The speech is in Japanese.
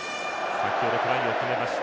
先ほどトライを決めました